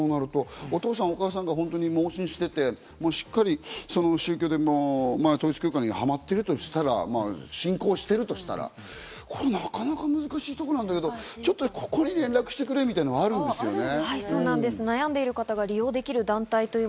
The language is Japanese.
お父さんお母さんが盲信していて、統一教会にハマっているとしたら、信仰しているとしたら、これなかなか難しいところなんだけど、ちょっと、ここに連絡してくれみたいなのがあるんですね。